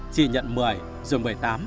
chị nhận một mươi rồi một mươi tám hai mươi